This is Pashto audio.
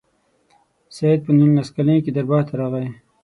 سید په نولس کلني کې دربار ته راغی.